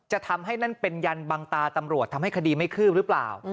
จะทำให้นั่นเป็นยันบังตาตำรวจทำให้คดีไม่คืบหรือเปล่า